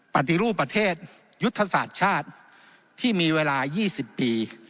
ปฏิรูปประเทศยุทธศาสตร์ชาติที่มีเวลา๒๐ปี